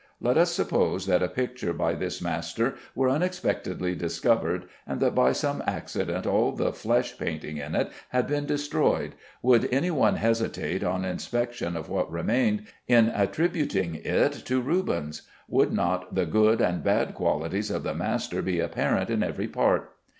Let us suppose that a picture by this master were unexpectedly discovered, and that by some accident all the flesh painting in it had been destroyed, would any one hesitate, on inspection of what remained, in attributing it to Rubens? Would not the good and bad qualities of the master be apparent in every part?